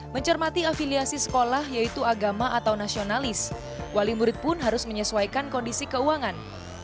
mencermati afiliasi sekolah yaitu agama atau nasionalis wali murid pun harus menyesuaikan kondisi keuangan